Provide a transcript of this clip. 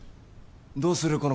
どうする？